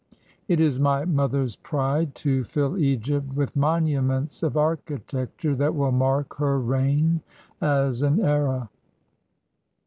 It is my mother's pride to fill Egypt with monuments of architecture that will mark her reign as an era."